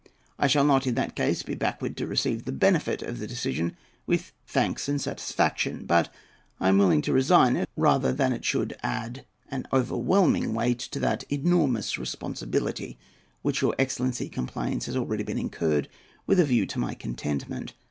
I shall not in that case be backward to receive the benefit of the decision with "thanks and satisfaction;" but I am willing to resign it rather than it should add an overwhelming weight to that "enormous responsibility" which your excellency complains has already been incurred with a view to my contentment.